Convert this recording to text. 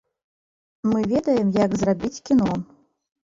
Мы ведаем, як зрабіць кіно.